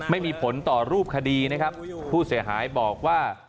ไม่มีผลต่อรูปคดีนะครับผู้เสียหายบอกว่า